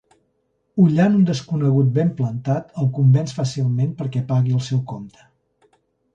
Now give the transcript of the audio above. Ullant un desconegut ben plantat, el convenç fàcilment perquè pagui el seu compte.